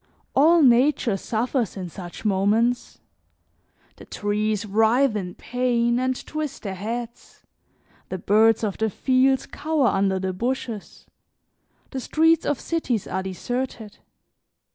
All nature suffers in such moments; the trees writhe in pain and twist their heads; the birds of the fields cower under the bushes; the streets of cities are deserted.